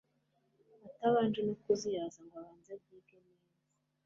atabanje no kuzuyaza ngo abanze abyige neza